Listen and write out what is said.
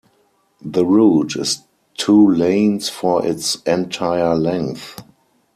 The route is two lanes for its entire length.